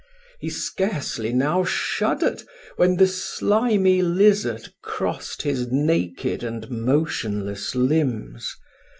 He scarcely now shuddered when the slimy lizard crossed his naked and motionless limbs.